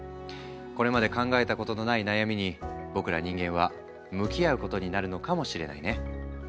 これまで考えたことのない悩みに僕ら人間は向き合うことになるのかもしれないね。